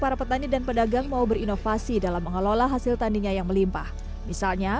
para petani dan pedagang mau berinovasi dalam mengelola hasil taninya yang melimpah misalnya